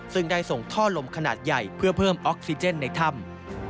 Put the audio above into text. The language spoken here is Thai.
ซึ่งได้ส่งท่อลมขนาดใหญ่เพื่อเพิ่มออกซิเจนในถ้ำ